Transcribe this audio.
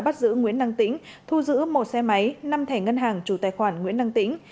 bắt giữ nguyễn năng tĩnh thu giữ một xe máy năm thẻ ngân hàng chủ tài khoản nguyễn năng tĩnh